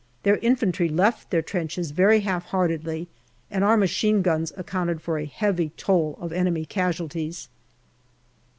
Their infantry left their trenches very half heartedly, and our machine guns accounted for a heavy toll of enemy casualties.